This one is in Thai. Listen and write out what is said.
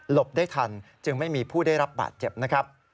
ได้ทันจึงไม่มีผู้ได้รับบาดเจ็บนะครับ